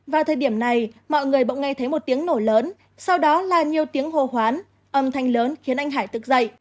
vào thời điểm này mọi người bỗng nghe thấy một tiếng nổ lớn sau đó là nhiều tiếng hồ hoán âm thanh lớn khiến anh hải tự dậy